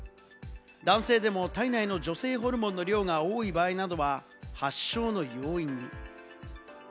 男性でも体内の女性ホルモンの量が多い場合などは、発症の要因に。